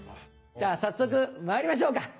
じゃあ早速まいりましょうか。